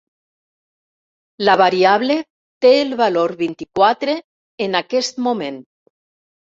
La variable té el valor vint-i-quatre en aquest moment.